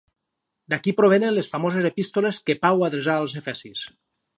D'aquí provenen les famoses epístoles que Pau adreçà als efesis.